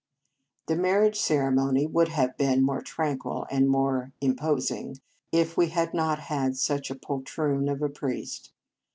The marriage ceremony would have been more tranquil and more impos ing if we had not had such a poltroon of a priest.